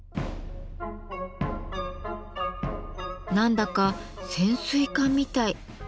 何だか潜水艦みたい。